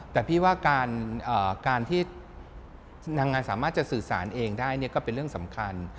แต่พี่ว่าการที่นางงานสามารถจะสื่อสารเองได้ก็เป็นเรื่องสำคัญ